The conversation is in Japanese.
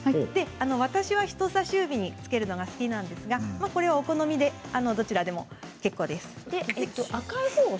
私は人さし指につけるのが好きなんですがお好みでどちらでも結構です。